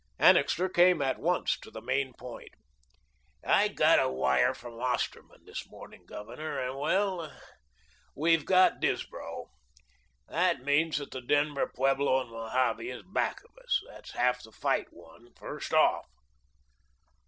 Annixter came at once to the main point. "I got a wire from Osterman this morning, Governor, and, well we've got Disbrow. That means that the Denver, Pueblo and Mojave is back of us. There's half the fight won, first off."